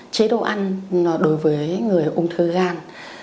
chế độ ăn đối với người ung thư gan